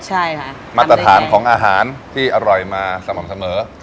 ใช่ค่ะมาตรฐานของอาหารที่อร่อยมาสม่ำเสมอ